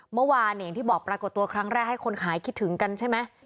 เมื่อวานอย่างที่บอกปรากฏตัวครั้งแรกให้คนขายคิดถึงกันใช่ไหม